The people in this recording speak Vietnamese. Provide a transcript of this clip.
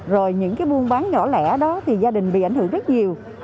rồi những cái buôn bán nhỏ lẻ đó thì gia đình bị ảnh hưởng rất nhiều